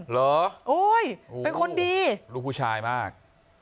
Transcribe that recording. โอ๊ยเป็นคนดีลูกผู้ชายมาก